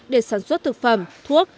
để sản xuất thực phẩm thuốc